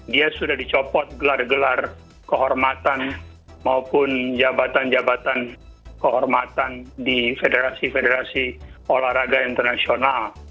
dia sudah dicopot gelar gelar kehormatan maupun jabatan jabatan kehormatan di federasi federasi olahraga internasional